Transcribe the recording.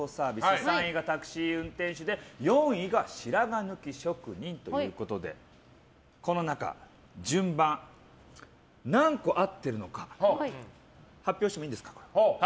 ３位がタクシー運転手で４位が白髪抜き職人ということでこの中、順番何個合ってるのか発表してもいいですか。